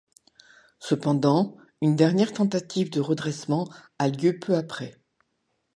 Cependant, une dernière tentative de redressement a lieu peu après.